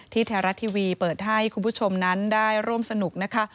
ไทยรัฐทีวีเปิดให้คุณผู้ชมนั้นได้ร่วมสนุกนะคะ